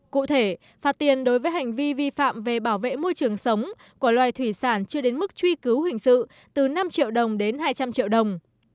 cụ thể phạt tiền đối với hành vi vi phạm về bảo vệ môi trường sống của loài thủy sản chưa đến mức truy cứu hình sự từ năm triệu đồng đến hai trăm linh triệu đồng